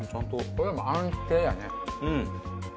これはもう安定やね。